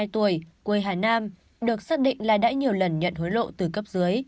hai mươi tuổi quê hà nam được xác định là đã nhiều lần nhận hối lộ từ cấp dưới